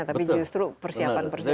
tapi justru persiapan persiapan